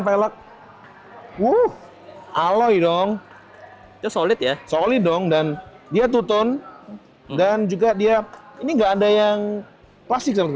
velg uh aloi dong solid ya solid dong dan dia tutun dan juga dia ini enggak ada yang plastik